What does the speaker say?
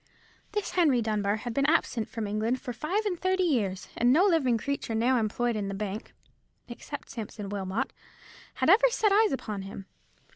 This Henry Dunbar had been absent from England for five and thirty years, and no living creature now employed in the bank, except Sampson Wilmot, had ever set eyes upon him.